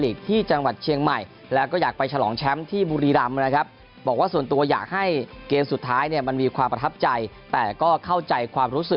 ที่จังหวัดเชียงใหม่แล้วก็อยากไปฉลองแชมป์ที่บุรีรำนะครับบอกว่าส่วนตัวอยากให้เกมสุดท้ายเนี่ยมันมีความประทับใจแต่ก็เข้าใจความรู้สึก